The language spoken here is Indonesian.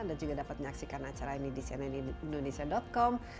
anda juga dapat menyaksikan acara ini di cnnindonesia com